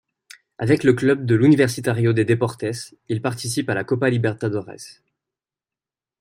Avec le club de l'Universitario de Deportes, il participe à la Copa Libertadores.